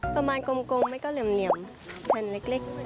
ประมาณกลมมันก็เหลี่ยมแผ่นเล็ก